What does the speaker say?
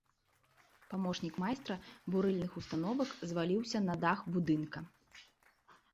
Памочнік майстра бурыльных установак зваліўся на дах будынка.